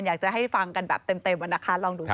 อยากจะให้ฟังกันแบบเต็มนะคะลองดูค่ะ